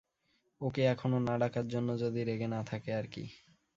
ওকে এখনো না ডাকার জন্য যদি রেগে না থাকে আরকি।